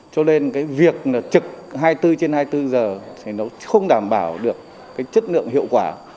cho nên việc trực hai mươi bốn trên hai mươi bốn giờ nó không đảm bảo được chất lượng hiệu quả